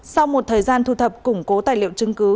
sau một thời gian thu thập củng cố tài liệu chứng cứ